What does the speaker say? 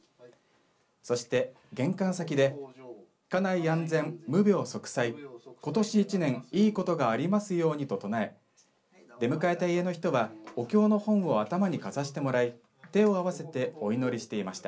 そして、玄関先で家内安全、無病息災ことし１年いいことがありますようにと唱え出迎えた家の人はお経の本を頭にかざしてもらい手を合わせてお祈りしていました。